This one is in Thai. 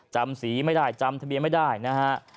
จำสีไม่ได้จำทะเบียนไม่ได้นะฮะ